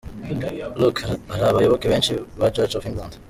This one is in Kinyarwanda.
Look! Hari abayoboke benshi ba church of England.